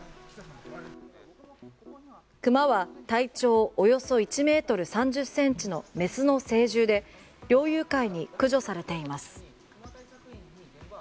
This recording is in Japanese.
クマは体長およそ１ｍ３０ｃｍの雌の成獣で猟友会に駆除されています。